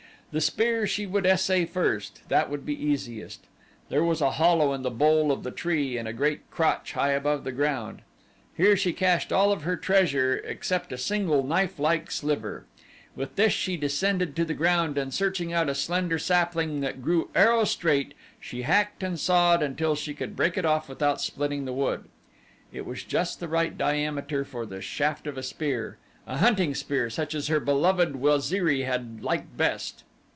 The spear she would essay first that would be easiest. There was a hollow in the bole of the tree in a great crotch high above the ground. Here she cached all of her treasure except a single knifelike sliver. With this she descended to the ground and searching out a slender sapling that grew arrow straight she hacked and sawed until she could break it off without splitting the wood. It was just the right diameter for the shaft of a spear a hunting spear such as her beloved Waziri had liked best.